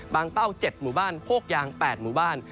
เป้า๗หมู่บ้านโคกยาง๘หมู่บ้าน